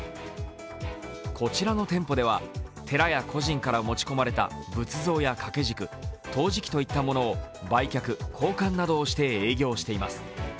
こちらの店舗では寺や個人から持ち込まれた仏像や掛け軸、陶磁器といったものを売却・交換などをして営業をしています。